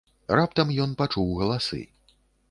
Раптам ён пачуў галасы.